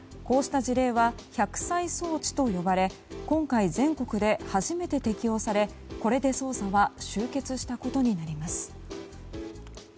こうした事例は１００歳送致と呼ばれ今回、全国で初めて適用されこれで捜査は終結したことになります。